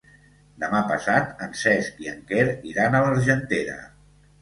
Demà passat en Cesc i en Quer iran a l'Argentera.